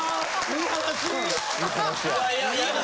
いい話や。